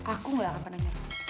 aku gak akan pernah nyerah